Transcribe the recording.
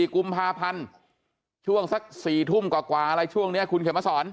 กุมภาพันธ์ช่วงสัก๔ทุ่มกว่าอะไรช่วงนี้คุณเข็มมาสอน